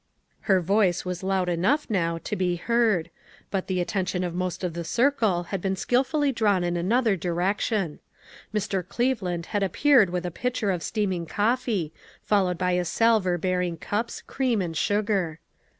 Her voice was loud enough, now, to be heard ; but the attention of most of the circle had been skilfully drawn in another direction. Mr. Cleveland had appeared with a pitcher of steaming coffee, followed by a salver bearing cups, cream and sugar.